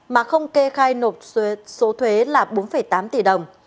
mà không kê khai nộp số thuế là bốn tám tỷ đồng